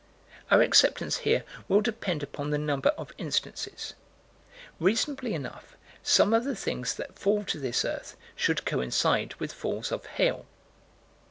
Our acceptance here will depend upon the number of instances. Reasonably enough, some of the things that fall to this earth should coincide with falls of hail.